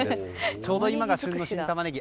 ちょうど今が旬の新タマネギ。